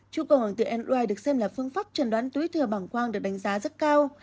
chụp ống từ n ride được xem là phương pháp trần đoán túi thừa bằng quang được đánh giá rất cao